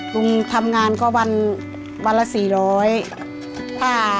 ลุงทำงานก็วันละ๔๐๐บาท